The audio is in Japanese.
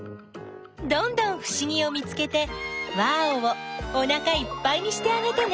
どんどんふしぎを見つけてワーオ！をおなかいっぱいにしてあげてね！